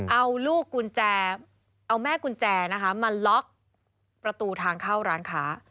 เอาลูกกุญแจเอาแม่กุญแจนะคะมาล็อกประตูทางเข้าร้านค้า